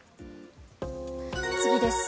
次です。